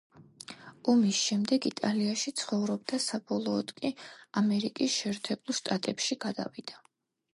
ომის შემდეგ იტალიაში ცხოვრობდა, საბოლოოდ კი ამერიკის შეერთებულ შტატებში გადავიდა.